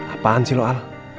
apaan sih lu al